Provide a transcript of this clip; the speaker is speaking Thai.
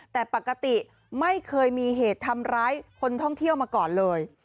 แต่ปกติไม่เคยมีเหตุทำร้ายคนท่องเที่ยวมาก่อนเลย